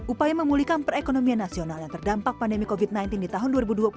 upaya memulihkan perekonomian nasional yang terdampak pandemi covid sembilan belas di tahun dua ribu dua puluh satu